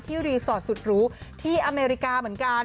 รีสอร์ทสุดหรูที่อเมริกาเหมือนกัน